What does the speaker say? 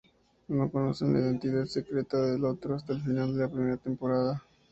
No conocen la identidad secreta del otro hasta el final de la primera temporada.